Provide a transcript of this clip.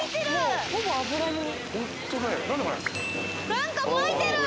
何かまいてる。